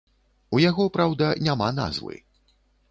У яго, праўда, няма назвы.